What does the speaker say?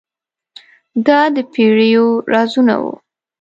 دا د پیړیو رازونه وو.